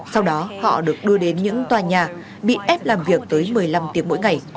sau đó họ được đưa đến những tòa nhà bị ép làm việc tới một mươi năm tiếng mỗi ngày